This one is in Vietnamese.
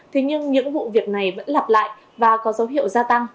thế nhưng những vụ việc này vẫn lặp lại và có dấu hiệu gia tăng